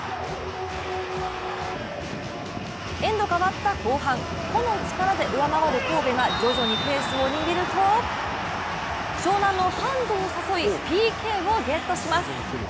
エンド変わった後半、個の力で上回る神戸が徐々にペースを握ると湘南のハンドを誘いＰＫをゲットします。